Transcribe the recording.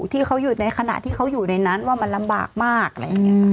ที่เขาอยู่ในขณะที่เขาอยู่ในนั้นว่ามันลำบากมากอะไรอย่างนี้ค่ะ